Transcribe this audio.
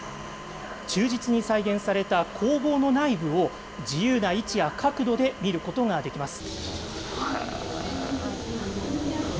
忠実に再現された工房の内部を、自由な位置や角度で見ることができます。